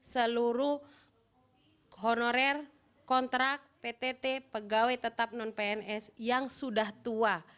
seluruh honorer kontrak ptt pegawai tetap non pns yang sudah tua